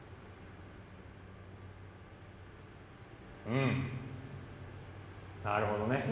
うんなるほどね。